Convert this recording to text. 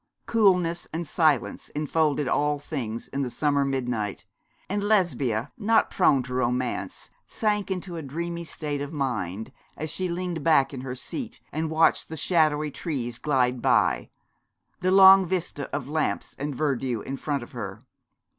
Coolness and silence enfolded all things in the summer midnight, and Lesbia, not prone to romance, sank into a dreamy state of mind, as she leaned back in her seat and watched the shadowy trees glide by, the long vista of lamps and verdure in front of her.